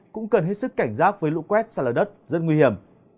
cũng cần hết sức cảnh giác với lũ quét xa lở đất rất nguy hiểm